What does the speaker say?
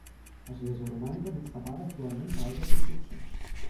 Església romànica mig tapada actualment per altres construccions.